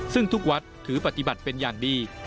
ซึ่งทุกวัดถือปฏิบัติเป็นอย่างดี